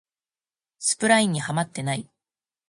スプラインにハマってない